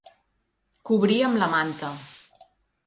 Cobrir amb la manta.